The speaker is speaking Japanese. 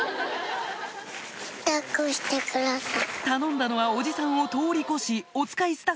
頼んだのは伯父さんを通り越し『おつかい』